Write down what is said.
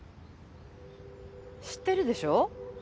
知ってるでしょ？